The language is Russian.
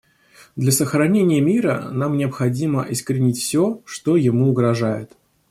Для сохранения мира нам необходимо искоренить все, что ему угрожает.